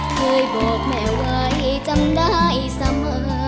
เคยบอกแม่ไว้จำได้เสมอ